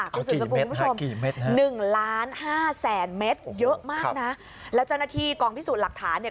คุณสุดสกุลคุณผู้ชมหนึ่งล้านห้าแสนเมตรเยอะมากนะแล้วเจ้าหน้าที่กองพิสูจน์หลักฐานเนี่ย